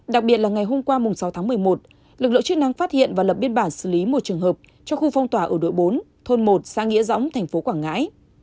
đặc biệt là ngày hôm qua sáu tháng một mươi một lực lượng chức năng phát hiện và lập biên bản xử lý một trường hợp cho khu phong tỏa ở đội bốn thôn một xã nghĩa dõng thành phố quảng ngãi